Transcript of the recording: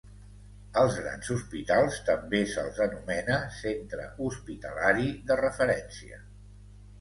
Als grans hospitals també se'ls anomena centre hospitalari de referència.